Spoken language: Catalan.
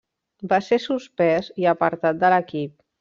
Va ser suspès i apartat de l'equip.